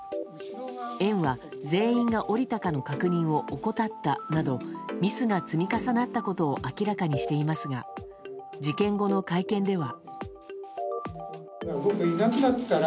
園は、全員が降りたかの確認を怠ったなどミスが積み重なったことを明らかにしていますが事件後の会見では。